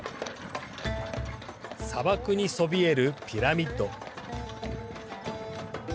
砂漠にそびえるピラミッド。